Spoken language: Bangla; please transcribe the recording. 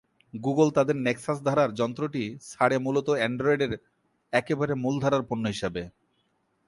গুগল তাদের নেক্সাস ধারার যন্ত্রটি ছাড়ে মূলত অ্যান্ড্রয়েডের একেবারে মূল ধারার পণ্য হিসেবে।